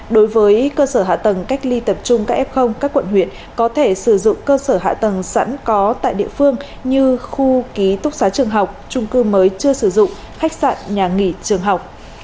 đối với cơ sở hạ tầng cách ly tập trung các f các quận huyện có thể sử dụng cơ sở hạ tầng sẵn có tại địa phương như khu ký túc xá trường học trung cư mới chưa sử dụng khách sạn nhà nghỉ trường học